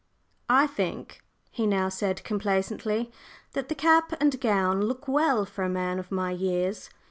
"I think," he now said, complacently, "that the cap and gown look well for a man of my years.